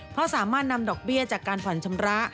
เพราะสามารถนำดอกเบี้ยจากการผ่อนชำระ